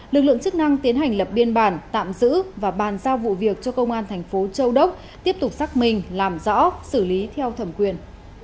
lực lượng chức năng tiến hành lập biên bản tạm giữ và bàn giao vụ việc cho công an thành phố châu đốc tiếp tục xác minh làm rõ xử lý theo thẩm quyền